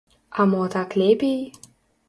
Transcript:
А мо так лепей?